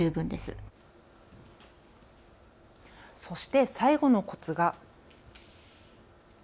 そして最後のコツが。